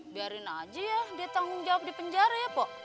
biarin aja ya dia tanggung jawab di penjara ya pak